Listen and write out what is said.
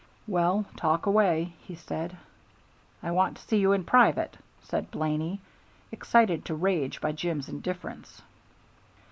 "Well, talk away," he said. "I want to see you in private," said Blaney, excited to rage by Jim's indifference.